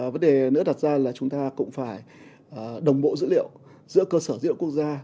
vấn đề nữa đặt ra là chúng ta cũng phải đồng bộ dữ liệu giữa cơ sở dữ liệu quốc gia